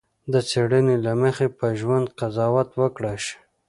د څېړنې له مخې په ژوند قضاوت وکړای شي.